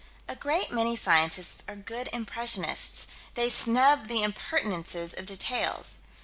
A great many scientists are good impressionists: they snub the impertinences of details.